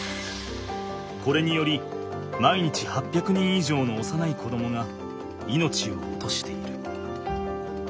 これにより毎日８００人以上の幼い子どもが命を落としている。